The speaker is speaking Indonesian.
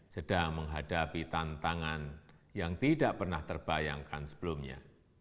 sedang menghadapi tantangan yang tidak pernah terbayangkan sebelumnya